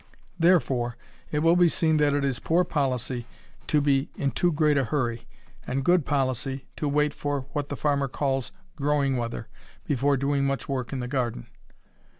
Therefore it will be seen that it is poor policy to be in too great a hurry, and good policy to wait for what the farmer calls "growing weather" before doing much work in the garden.